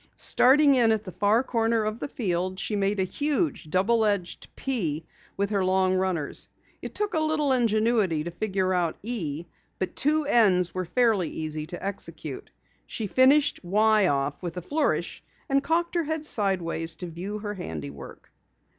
Starting in at the far corner of the field she made a huge double edged "P" with her long runners. It took a little ingenuity to figure out an "E" but two "N's" were fairly easy to execute. She finished "Y" off with a flourish and cocked her head sideways to view her handiwork.